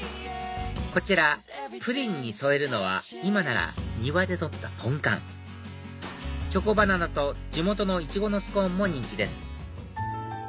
こちらプリンに添えるのは今なら庭で採ったポンカンチョコバナナと地元のイチゴのスコーンも人気です